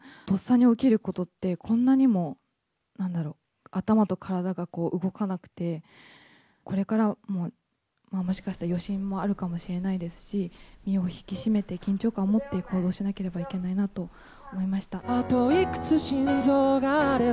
とっさに起きることって、こんなにもなんだろう、頭と体が動かなくて、これからも、もしかしたら余震もあるかもしれないですし、身を引き締めて、緊張感を持って、行動しなければいけないなと思いました。